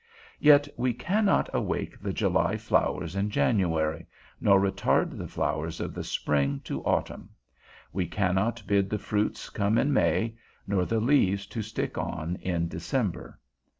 Yet we cannot awake the July flowers in January, nor retard the flowers of the spring to autumn. We cannot bid the fruits come in May, nor the leaves to stick on in December.